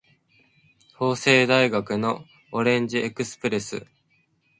法政大学のオレンジエクスプレス